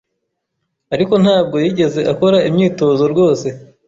ariko ntabwo yigeze akora imyitozo rwose